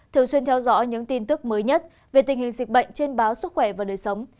thường xuyên theo dõi những tin tức mới nhất về tình hình dịch bệnh trên báo sức khỏe và đời sống